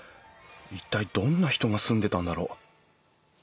一体どんな人が住んでたんだろう？